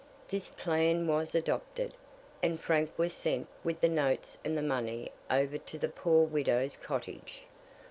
This plan was adopted, and Frank was sent with the notes and the money over to the poor widow's cottage.